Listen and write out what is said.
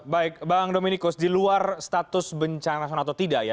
baik bang dominikus di luar status bencana atau tidak ya